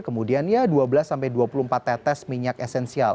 kemudian ya dua belas sampai dua puluh empat tetes minyak esensial